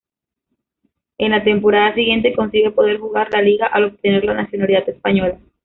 En la temporada siguiente consigue poder jugar la liga al obtener la nacionalidad española.